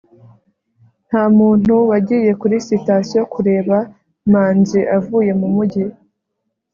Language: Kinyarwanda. nta muntu wagiye kuri sitasiyo kureba manzi avuye mu mujyi